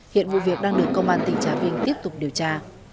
hiện vụ việc đang được công an tình trạng viên tiếp tục điều tra